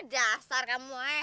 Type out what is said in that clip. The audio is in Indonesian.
dasar kamu eh